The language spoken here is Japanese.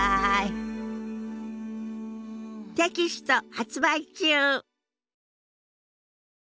テキスト発売中。